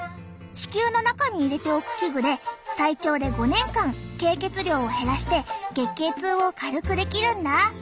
子宮の中に入れておく器具で最長で５年間経血量を減らして月経痛を軽くできるんだ。